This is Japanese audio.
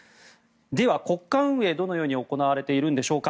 では、国家運営はどのように行われているんでしょうか。